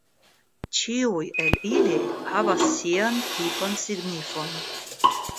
Ĉiuj el ili havas sian tipan signifon.